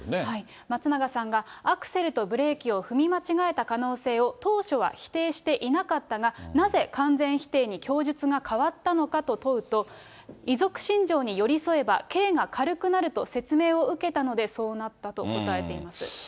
松永さんが、アクセルとブレーキを踏み間違えた可能性を当初は否定していなかったが、なぜ完全否定に供述が変わったのかと問うと、遺族心情に寄り添えば、刑が軽くなると説明を受けたので、そうなったと答えています。